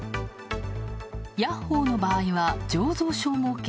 ヤッホーの場合は醸造所を設け